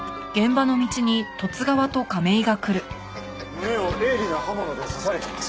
胸を鋭利な刃物で刺されています。